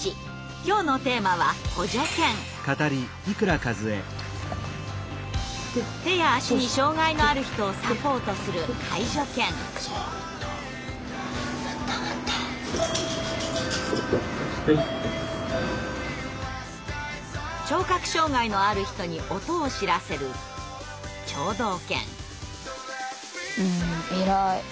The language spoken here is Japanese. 今日のテーマは手や足に障害のある人をサポートする聴覚障害のある人に音を知らせる偉い。